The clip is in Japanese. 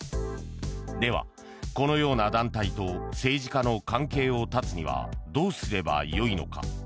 では、このような団体と政治家の関係を絶つにはどうすればよいのか。